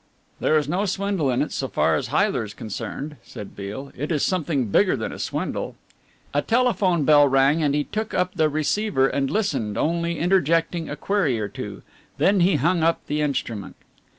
"There is no swindle in it so far as Heyler's concerned," said Beale, "it is something bigger than a swindle." A telephone bell rang and he took up the receiver and listened, only interjecting a query or two. Then he hung up the instrument.